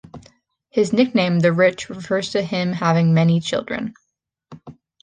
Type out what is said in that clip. His nickname "the Rich" refers to him having many children.